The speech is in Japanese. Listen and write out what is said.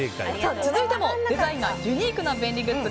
続いてもデザインがユニークな便利グッズ